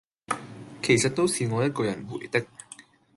其實都是我一個人回的